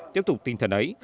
tiếp tục tinh thần ấy